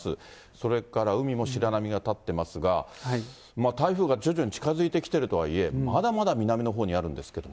それから海も白波が立ってますが、台風が徐々に近づいてきているとはいえ、まだまだ南のほうにあるんですけども。